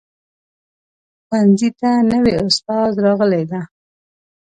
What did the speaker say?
ښوونځي ته نوي استاد راغلی ده